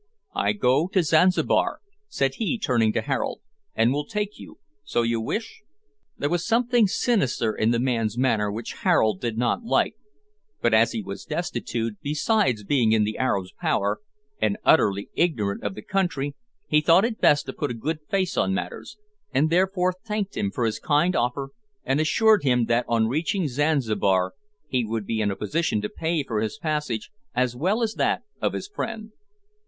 "I go to Zanzibar," said he, turning to Harold, "and will take you, so you wish." There was something sinister in the man's manner which Harold did not like, but as he was destitute, besides being in the Arab's power, and utterly ignorant of the country, he thought it best to put a good face on matters, and therefore thanked him for his kind offer, and assured him that on reaching Zanzibar he would be in a position to pay for his passage as well as that of his friend.